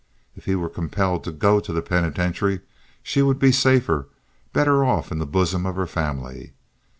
If he were compelled to go to the penitentiary she would be safer—better off in the bosom of her family.